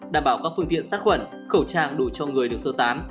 đảm bảo các phương tiện sát khuẩn khẩu trang đủ cho người được sơ tán